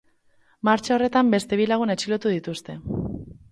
Martxa horretan beste bi lagun atxilotu dituzte.